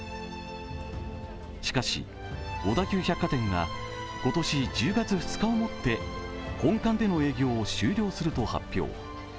しかし、小田急百貨店は今年１０月２日をもって本館での営業を終了すると発表。